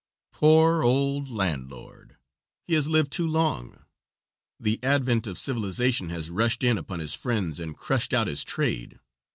Poor old landlord, he has lived too long! The advent of civilization has rushed in upon his friends and crushed out his trade.